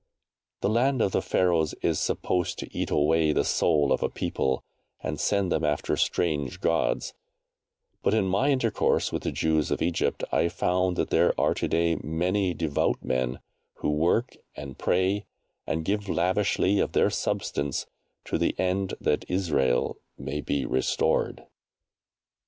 The land of the Pharaohs is supposed to eat away the soul of a people and send them after strange gods, but, in my intercourse with the Jews of Egypt, I found that there are to day many devout men, who work, and pray, and give lavishly of their substance, to the end that Israel may be restored.